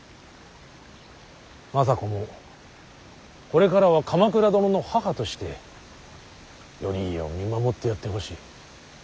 政子もこれからは鎌倉殿の母として頼家を見守ってやってほしい。